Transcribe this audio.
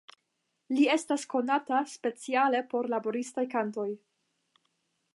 Li estas konata speciale pri laboristaj kantoj.